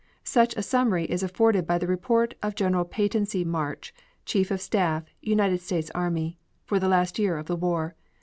Such a summary is afforded by the report of General Peyton C. March, Chief of Staff, United States Army, for the last year of the war.